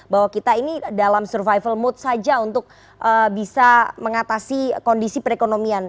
bahwa kita ini dalam survival mood saja untuk bisa mengatasi kondisi perekonomian